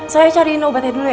pak nino itu tangan bapak berdarah